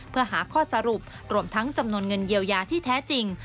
เพื่อหาข้อสรุปรวมทั้งจำนวนเงินเยียวยาที่แท้จริง